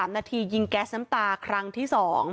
นาทียิงแก๊สน้ำตาครั้งที่๒